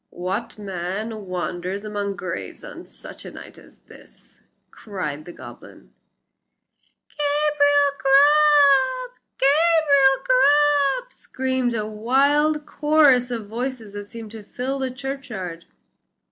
"What man wanders among graves on such a night as this?" cried the goblin. "Gabriel Grubb! Gabriel Grubb!" screamed a wild chorus of voices that seemed to fill the churchyard.